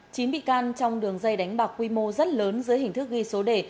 chín bị can trong đường dây đánh bạc quy mô rất lớn dưới hình thức ghi số đề